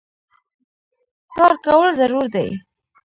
کار کول ضرور دي